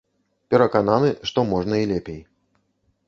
Перакананы, што можна і лепей.